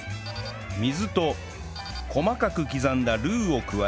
水と細かく刻んだルーを加え